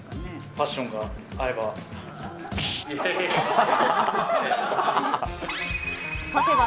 パッションが合えば。